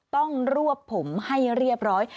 รวบผมให้เรียบร้อย